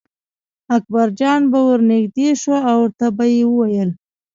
اکبرجان به ور نږدې شو او ورته به یې ویل.